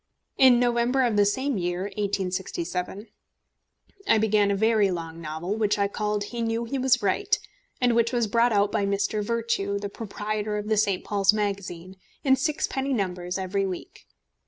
In November of the same year, 1867, I began a very long novel, which I called He Knew He Was Right, and which was brought out by Mr. Virtue, the proprietor of the St. Paul's Magazine, in sixpenny numbers, every week.